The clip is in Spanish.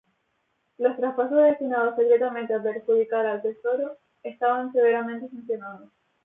Los traspasos destinados secretamente a perjudicar al Tesoro estaban severamente sancionados.